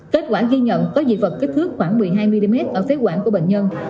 kết quả ghi nhận có dị vật kích thước khoảng một mươi hai mm ở phế quản của bệnh nhân